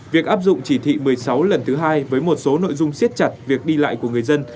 việc áp dụng chỉ thị một mươi sáu lần thứ hai với một số nội dung siết chặt việc đi lại của người dân